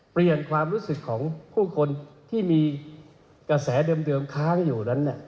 เปลี่ยนความรู้สึกของผู้คนที่มีกระแสเดิมค้างอยู่นั้น